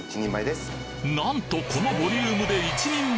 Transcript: なんとこのボリュームで１人前！